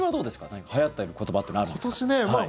何かはやっている言葉というのはあるんですか？